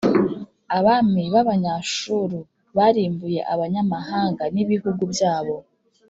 abami b’Abanyashuru barimbuye abanyamahanga n’ibihugu byabo,